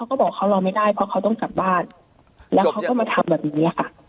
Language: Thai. ก็บอกเขารอไม่ได้เพราะเขาต้องกลับบ้านแล้วเขาก็มาทำแบบนี้ค่ะ